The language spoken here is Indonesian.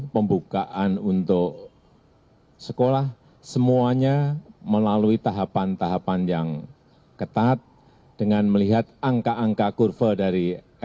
pembukaan untuk sekolah semuanya melalui tahapan tahapan yang ketat dengan melihat angka angka kurva dari